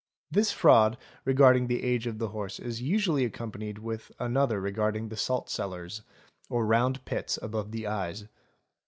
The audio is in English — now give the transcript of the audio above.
This fraud regarding the age of a horse is usually accompanied with another regard ing the salt cellars, or round pits, above the eyes.